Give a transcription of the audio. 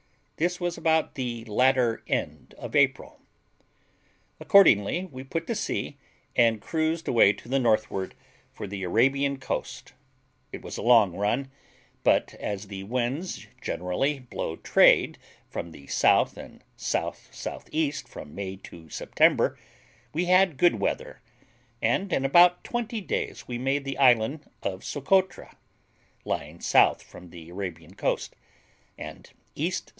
This was about the latter end of April. Accordingly we put to sea, and cruised away to the northward, for the Arabian coast. It was a long run, but as the winds generally blow trade from the S. and S.S.E. from May to September, we had good weather; and in about twenty days we made the island of Socotra, lying south from the Arabian coast, and E.S.